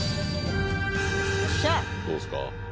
どうですか？